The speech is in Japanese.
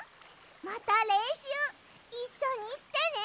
またれんしゅういっしょにしてね！